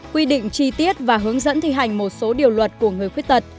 quy định chi tiết và hướng dẫn thi hành một số điều luật của người khuyết tật